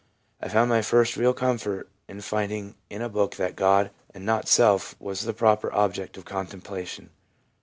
I found my first real comfort in finding in a book that God, and not self, was the proper object of contemplation.